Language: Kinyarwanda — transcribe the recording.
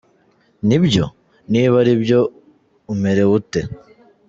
Ni byo? Niba ari byo umerewe ute ?.